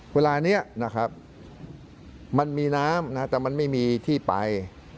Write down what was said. เวลานี้นะครับมันมีน้ำนะแต่มันไม่มีที่ไป